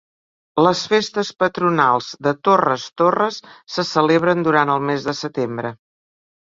Les festes patronals de Torres Torres se celebren durant el mes de setembre.